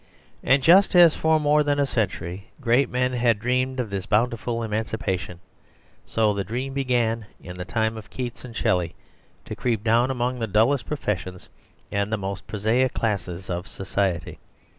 And just as for more than a century great men had dreamed of this beautiful emancipation, so the dream began in the time of Keats and Shelley to creep down among the dullest professions and the most prosaic classes of society.